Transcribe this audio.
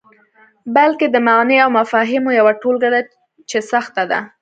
بلکې د معني او مفاهیمو یوه ټولګه ده چې سخته ده.